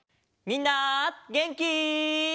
みんなげんき？